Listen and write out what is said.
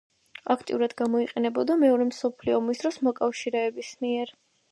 აქტიურად გამოიყენებოდა მეორე მსოფლიო ომის დროს მოკავშირეების მიერ.